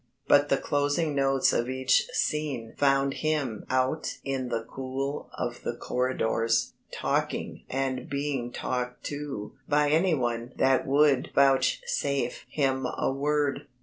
But the closing notes of each scene found him out in the cool of the corridors, talking, and being talked to by anyone that would vouchsafe him a word.